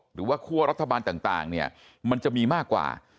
คั่วรัฐบาลต่างเนี่ยมันจะมีมากกว่า